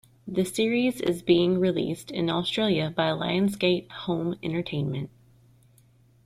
The Series is being released in Australia by Lionsgate Home Entertainment.